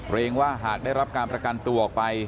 ว่าหากได้รับการประกันตัวออกไป